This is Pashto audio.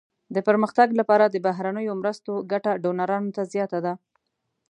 د پرمختګ لپاره د بهرنیو مرستو ګټه ډونرانو ته زیاته ده.